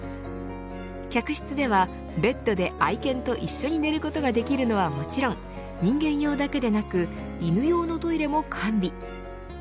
客室ではベッドで愛犬と一緒に寝ることができるのはもちろん人間用だけではなく犬用のトイレも完備。